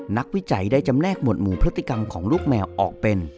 วิจัยได้จำแลกหมวดหมู่พฤติกรรมของลูกแมวออกเป็น